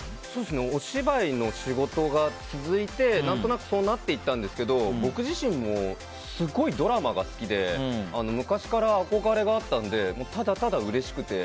お芝居の仕事が続いて何となくそうなっていったんですけど僕自身もすごいドラマが好きで昔から憧れがあったのでただただ、うれしくて。